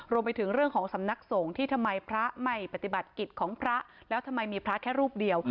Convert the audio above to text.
รวมไปถึงเรื่องของสำนักสงฆ์ที่ทำไมพระไม่ปฏิบัติกิจของพระแล้วทำไมมีพระแค่รูปเดียว